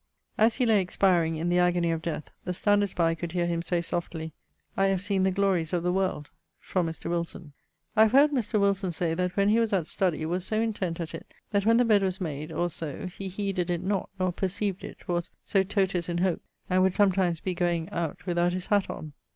As he lay expiring in the agonie of death, the standers by could heare him say softly 'I have seen the glories of the world' Mr. Wilson. I have heard Mr. Wilson say that when he was at study, was so intent at it that when the bed was made, or so, he heeded it not nor perceived it, was so totus in hoc; and would sometimes be goeing out without his hatt on.